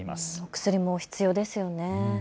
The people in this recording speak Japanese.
薬も必要ですよね。